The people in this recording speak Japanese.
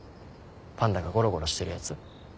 パンダがゴロゴロしてるやつ。